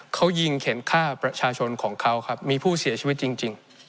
เขายิงเข็นฆ่าประชาชนของเขาครับมีผู้เสียชีวิตจริง